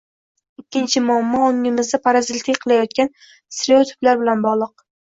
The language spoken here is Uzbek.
Ikkinchi muammo, ongimizda parazitlik qilayotgan stereotiplar bilan bog`liq